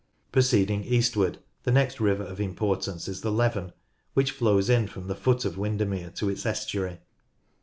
Proceeding eastward, the next river of importance is the Leven, which flows from the foot of Windermere to its estuary.